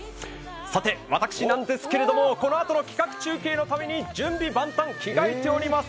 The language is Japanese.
さて私なんですけれどもこのあとの企画中継のために準備万端、着替えております。